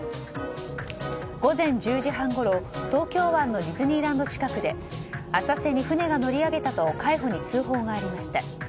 午前１０時半ごろ、東京湾のディズニーランド近くで浅瀬に船が乗り上げたと海保に通報がありました。